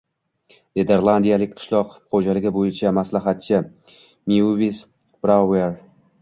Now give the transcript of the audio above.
Niderlandiyalik qishloq xo‘jaligi bo‘yicha maslahatchi Meuves Brauver